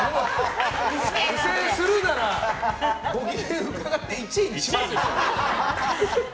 不正するならご機嫌伺って１位にしますよ。